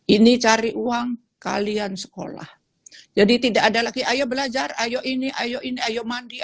ini cari uang kalian sekolah jadi tidak ada lagi ayo belajar ayo ini ayo ini ayo mandi